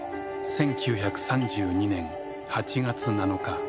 １９３２年８月７日。